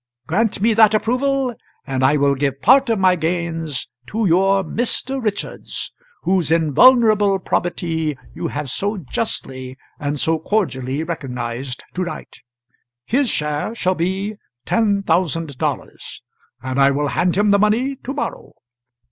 Grant me that approval, and I will give part of my gains to your Mr. Richards, whose invulnerable probity you have so justly and so cordially recognised to night; his share shall be ten thousand dollars, and I will hand him the money to morrow.